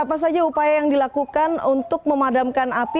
apa saja upaya yang dilakukan untuk memadamkan api